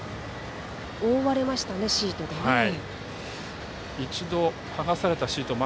覆われましたね、シートで。